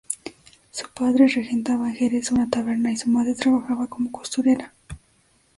Su padre regentaba en Jerez una taberna y su madre trabajaba como costurera.